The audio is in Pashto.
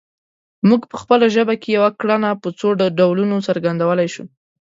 موږ په خپله ژبه کې یوه کړنه په څو ډولونو څرګندولی شو